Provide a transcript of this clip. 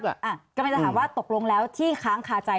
กำลังจะถามว่าตกลงแล้วที่ค้างคาใจ